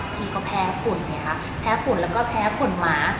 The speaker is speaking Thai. ทีก็แพ้ฝุ่นไหมคะแพ้ฝุ่นแล้วก็แพ้ผลหมา